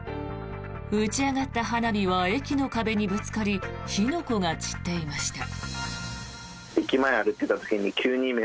打ち上がった花火は駅の壁にぶつかり火の粉が散っていました。